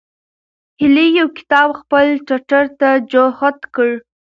هیلې یو کتاب خپل ټټر ته جوخت کړ.